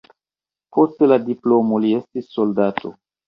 Post la diplomo li estis soldato.